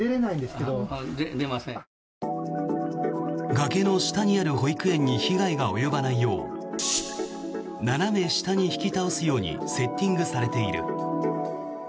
崖の下にある保育園に被害が及ばないよう斜め下に引き倒すようにセッティングされている。